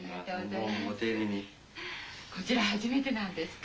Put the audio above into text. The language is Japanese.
こちらはじめてなんですか？